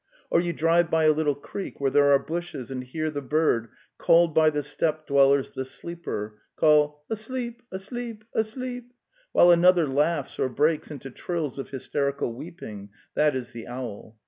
Or you drive by a little creek where there are bushes and hear the bird, called by the steppe dwellers '"'the sleeper,' call '' Asleep, asleep, asleep!' while another laughs or breaks into trills of hysterical weeping — that is the owl.